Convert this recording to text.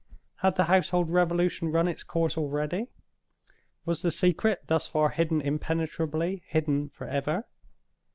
Had the household revolution run its course already? Was the secret thus far hidden impenetrably, hidden forever?